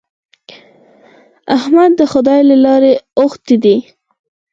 احمد د خدای له لارې اوښتی دی.